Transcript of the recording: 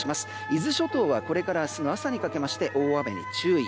伊豆諸島はこれから明日の朝にかけて大雨に注意。